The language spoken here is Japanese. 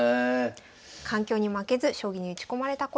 環境に負けず将棋に打ち込まれた小山さん。